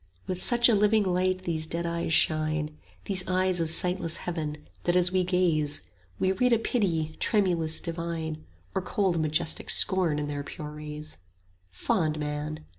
With such a living light these dead eyes shine, 15 These eyes of sightless heaven, that as we gaze We read a pity, tremulous, divine, Or cold majestic scorn in their pure rays: Fond man!